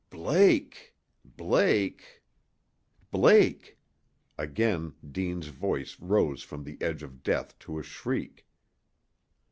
"Blake! Blake! Blake!" Again Deane's voice rose from the edge of death to a shriek.